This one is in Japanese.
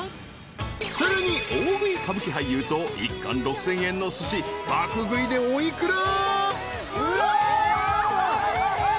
［さらに大食い歌舞伎俳優と１貫６，０００円のすし爆食いでお幾ら？］